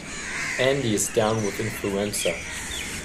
Andy is down with influenza.